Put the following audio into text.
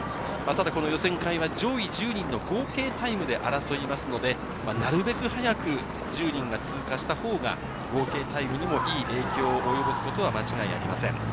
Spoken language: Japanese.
予選会は上位１０人の合計タイムで争いますので、なるべく早く１０人が通過した方が合計タイムにもいい影響を及ぼすことは間違いありません。